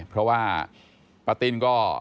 เพราะว่าป้าติ้นก็